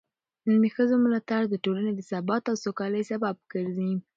د ښځو ملاتړ د ټولنې د ثبات او سوکالۍ سبب ګرځي.